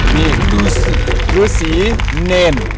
นี่ลือสีเน่น